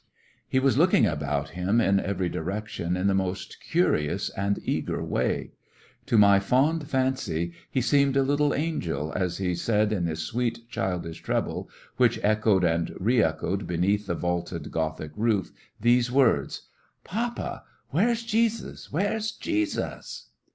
He was looking about him in every direc tion in the most curious and eager way. To my fond fancy he seemed a little angel as he said in his sweet childish treble, which echoed and reechoed beneath the vaulted Gothic roof, these words : "Papa, where 's Jesus? where 's Jesus?"